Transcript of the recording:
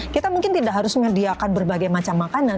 kita mungkin tidak harus menyediakan berbagai macam makanan